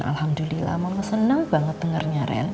alhamdulillah mama senang banget dengarnya rel